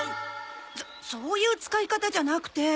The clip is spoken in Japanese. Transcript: そそういう使い方じゃなくて。